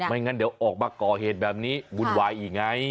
งั้นเดี๋ยวออกมาก่อเหตุแบบนี้วุ่นวายอีกไง